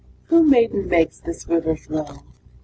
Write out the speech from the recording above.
Who, maiden, makes this river flow?